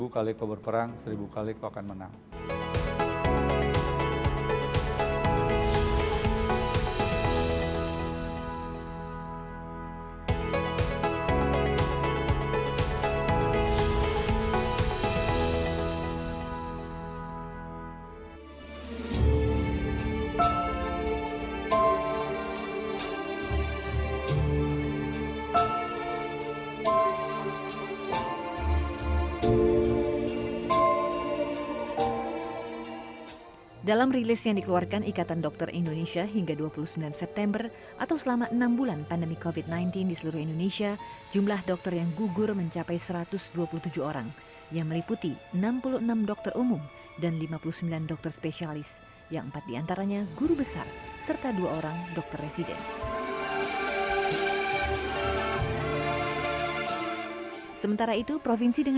seribu kali kau berperang seribu kali kau akan menang